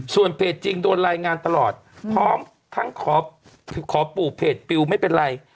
ส่วนเพจจริงโดนรายงานตลอดพร้อมทั้งขอปู่เพจปิวไม่เป็นไร